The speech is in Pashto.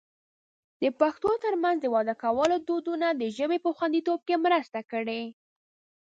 د پښتنو ترمنځ د واده کولو دودونو د ژبې په خوندیتوب کې مرسته کړې.